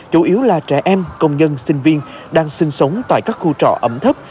chủ yếu là trẻ em công nhân sinh viên đang sinh sống tại các khu trọ ẩm thấp